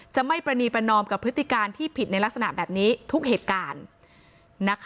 จะไม่ประนีประนอมกับพฤติการที่ผิดในลักษณะแบบนี้ทุกเหตุการณ์